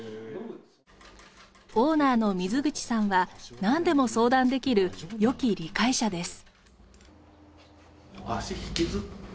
オーナーの水口さんはなんでも相談できるよき理解者です。